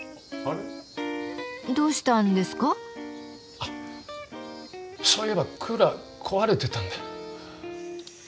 あっそういえばクーラー壊れてたんだ。